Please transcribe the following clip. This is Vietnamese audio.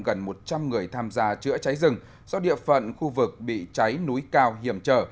gần một trăm linh người tham gia chữa cháy rừng do địa phận khu vực bị cháy núi cao hiểm trở